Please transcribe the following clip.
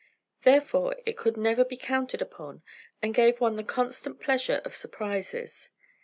Therefore it could never be counted upon, and gave one the constant pleasure of surprises.